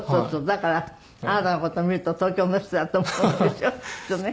だからあなたの事見ると東京の人だと思うんでしょきっとね。